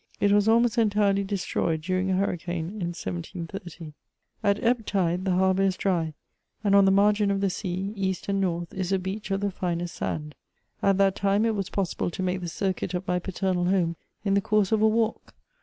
It was almost entirely destroyed during a hurricane in 1730. At 58 MEMOIRS OP ebb tide the harbour is dry, and on the margin of the sea, east and north, is a beach of the finest sand. At that time it was possible to make the circuit of my paternal home in the course of a walk.